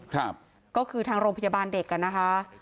ครับก็คือทางโรงพยาบาลเด็กอ่ะนะคะ